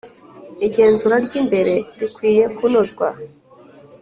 Igenzura ry imbere rikwiye kunozwa